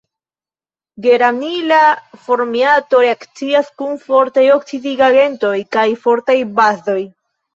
Geranila formiato reakcias kun fortaj oksidigagentoj kaj fortaj bazoj.